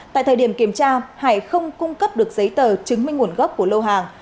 tại thời điểm kiểm tra hải không cung cấp được giấy tờ chứng minh nguồn gốc của lô hàng